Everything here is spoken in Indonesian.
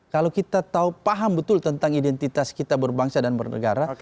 kalau kita tahu paham betul tentang identitas kita berbangsa dan bernegara